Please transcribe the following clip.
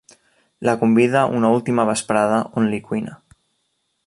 La convida una última vesprada on li cuina.